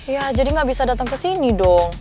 ya jadi gak bisa dateng kesini dong